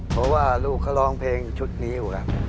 เพราะว่าลูกเขาร้องเพลงชุดนี้อยู่ครับ